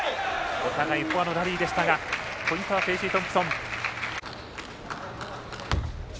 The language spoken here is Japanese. お互い、フォアのラリーでしたがポイントはフェイシートンプソン。